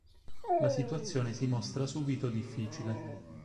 La situazione si mostra subito difficile.